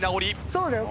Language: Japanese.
そうだよ。